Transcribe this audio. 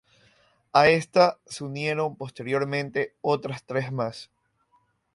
A esta se unieron posteriormente otras tres más.